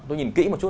tôi nhìn kĩ một chút